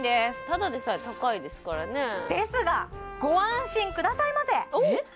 ただでさえ高いですからねですがご安心くださいませえっ？